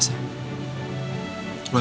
aku istri luar biasa